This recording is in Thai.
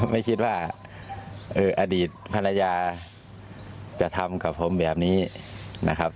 ไม่คิดว่าอดีตภรรยาจะทำกับผมแบบนี้นะครับ